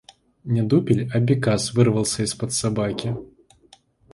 Не дупель, а бекас вырвался из-под собаки.